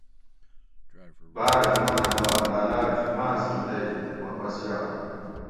باۤرہ زمانۂ باد لاۤلاچ پاںس گٹی تئ واپس یائ